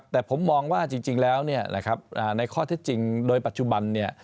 แต่ผมมองว่าจริงแล้วในข้อเท็จจริงโดยปัจจุบันเนี่ย